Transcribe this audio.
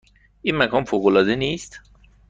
این مکان فوق العاده نیست؟